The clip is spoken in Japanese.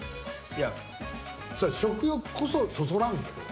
いやそら食欲こそそそらんけど。